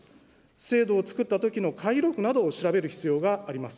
制度をつくったときの会議録などを調べる必要があります。